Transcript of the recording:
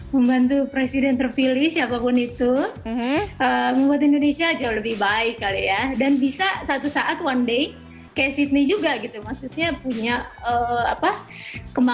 membantu presiden terpilih siapapun itu membuat indonesia jauh lebih baik kali ya dan bisa satu saat one day kayak sydney juga gitu maksudnya punya apa kemampuan